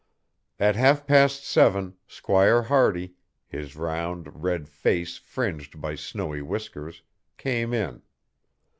At half past seven Squire Hardy, his round, red face fringed by snowy whiskers, came in.